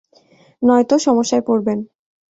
নয়তো সমস্যা পড়বেন।